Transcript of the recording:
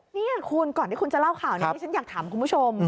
นี่คุณก่อนที่คุณจะเล่าข่าวนี้ดิฉันอยากถามคุณผู้ชม